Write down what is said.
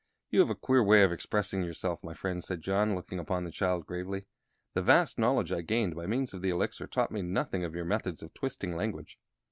"You have a queer way of expressing yourself, my friend," said John, looking upon the child gravely. "The vast knowledge I gained by means of the Elixir taught me nothing of your methods of twisting language."